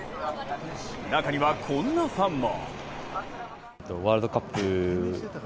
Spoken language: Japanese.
中にはこんなファンも。